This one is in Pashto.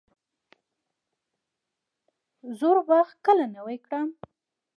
زوړ باغ کله نوی کړم؟